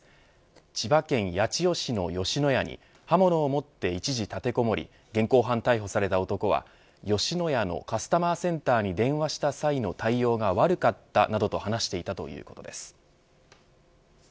千葉県八千代市の吉野家に刃物を持って一時立てこもり現行犯逮捕された男は吉野家のカスタマーセンターに電話した際の対応が悪かったなどと話していたということです。